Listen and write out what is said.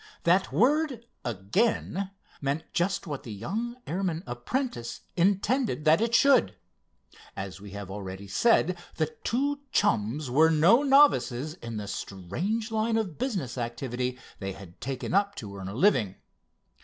That word "again" meant just what the young airman apprentice intended that it should. As we have already said, the two chums were no novices in the strange line of business activity they had taken up to earn a living.